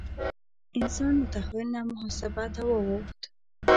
انسان له تخیل نه محاسبه ته واوښت.